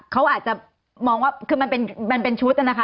เขาอาจจะมองว่าคือมันเป็นมันเป็นชุดน่ะนะคะ